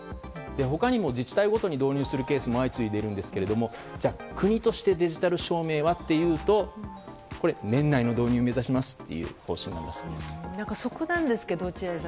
他にも、自治体ごとに導入するケースも相次いでいるんですが国としてデジタル証明はというと年内の導入を目指しますというそこなんですけど、落合さん